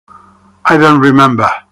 I don't remember.